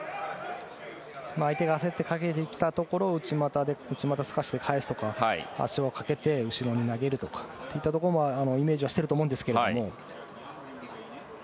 相手が焦ってかけてきたところを内股すかしで返すとか足をかけて後ろに投げるとかそういったことをイメージしていると思うんですけど。